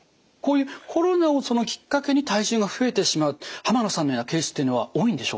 コロナをきっかけに体重が増えてしまう濱野さんのようなケースっていうのは多いんでしょうか？